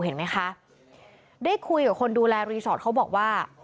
เห็นไหมคะได้คุยกับคนดูแลรีสอร์ทเขาบอกว่า